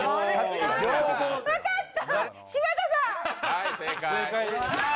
はい、正解。